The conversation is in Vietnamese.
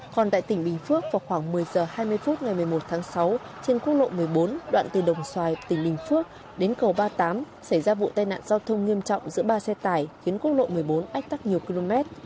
còn tại tỉnh bình phước vào khoảng một mươi h hai mươi phút ngày một mươi một tháng sáu trên quốc lộ một mươi bốn đoạn từ đồng xoài tỉnh bình phước đến cầu ba mươi tám xảy ra vụ tai nạn giao thông nghiêm trọng giữa ba xe tải khiến quốc lộ một mươi bốn ách tắc nhiều km